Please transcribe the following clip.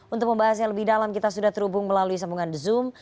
untuk membahas yang lebih dalam kita sudah terhubung melalui sambungan zoom